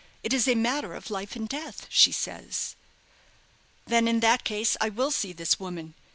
It is a matter of life and death, she says." "Then in that case I will see this woman.